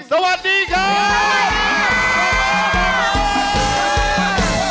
สวัสดีค่ะ